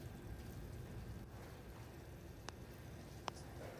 Although Cuny enjoyed a high reputation as a linguist, the work was coldly received.